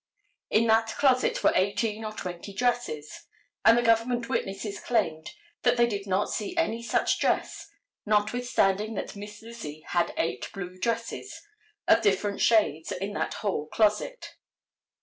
In that closet were eighteen or twenty dresses, and the government witnesses claimed that they did not see any such dress, notwithstanding that Miss Lizzie had eight blue dresses of different shades in that hall closet.